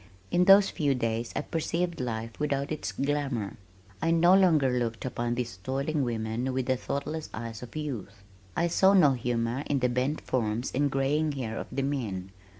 In those few days, I perceived life without its glamor. I no longer looked upon these toiling women with the thoughtless eyes of youth. I saw no humor in the bent forms and graying hair of the men.